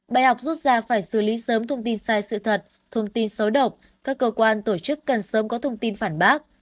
bài học rút ra phải xử lý sớm thông tin sai sự thật thông tin xấu độc các cơ quan tổ chức cần sớm có thông tin phản bác